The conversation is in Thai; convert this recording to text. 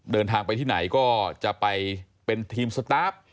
เดินทางไปที่ไหนก็จะไปเป็นทีมสตาร์ฟ